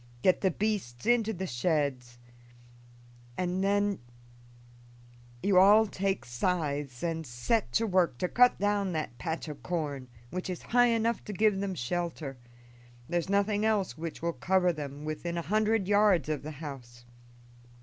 Get the beasts into the sheds, and then do you all take scythes and set to work to cut down that patch of corn, which is high enough to give them shelter; there's nothing else which will cover them within a hundred yards of the house.